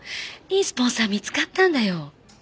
いいスポンサー見つかったんだよ。